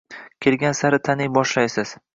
Kelgan sari taniy boshlaysiz